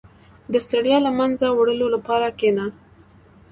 • د ستړیا له منځه وړلو لپاره کښېنه.